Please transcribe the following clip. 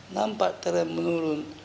terus terang menurun